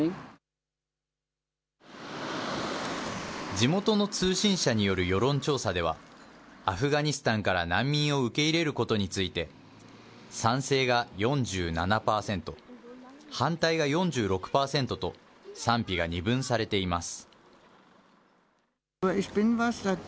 地元の通信社による世論調査では、アフガニスタンから難民を受け入れることについて、賛成が４７％、反対が４６％と、賛否が二分されています。